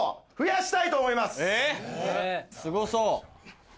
すごそう！